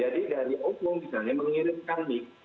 jadi dari ovo misalnya mengirimkan mic